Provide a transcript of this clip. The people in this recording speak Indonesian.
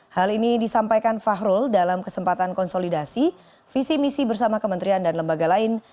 hal ini disampaikan fahrul dalam kesempatan konsolidasi visi misi bersama kementerian dan lembaga lain